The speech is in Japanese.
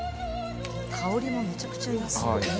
香りもめちゃくちゃいいですね。